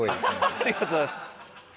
ありがとうございます。